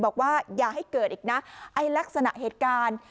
บอกว่าอย่าให้เกิดอีกนะไอ้ลักษณะเหตุการณ์